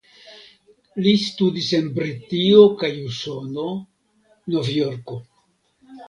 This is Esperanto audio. Li studis en Britio kaj Usono (Novjorko).